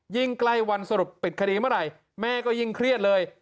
ใกล้วันสรุปปิดคดีเมื่อไหร่แม่ก็ยิ่งเครียดเลย